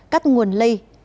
cắt nguồn lây